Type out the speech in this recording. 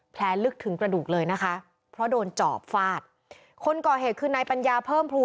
ลึกถึงกระดูกเลยนะคะเพราะโดนจอบฟาดคนก่อเหตุคือนายปัญญาเพิ่มพลู